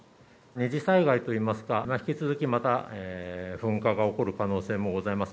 二次災害といいますか、引き続きまた噴火が起こる可能性もございます。